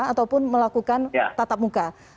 ataupun melakukan tata muka